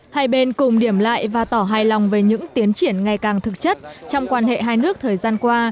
hai bên cùng điểm lại và tỏ hài lòng về những tiến triển ngày càng thực chất trong quan hệ hai nước thời gian qua